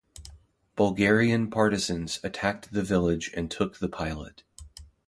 Bulgarian partisans attacked the village and took the pilot.